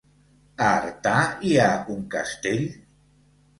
A Artà hi ha un castell?